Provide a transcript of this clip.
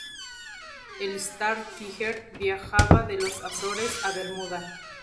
El "Star Tiger" viajaba de las Azores a Bermuda.